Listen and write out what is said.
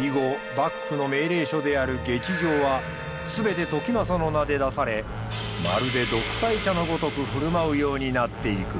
以後幕府の命令書である下知状は全て時政の名で出されまるで独裁者のごとく振る舞うようになっていく。